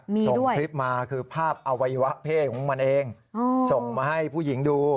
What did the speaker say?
ส่งคลิปมาคือภาพอวัยวะเพศของมันเองส่งมาให้ผู้หญิงดู